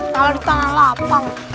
malah di tangan lapang